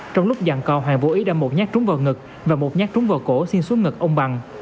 trong lúc giặn cò hoàng vô ý đâm một nhát trúng vào ngực và một nhát trúng vào cổ xin xuống ngực ông bằng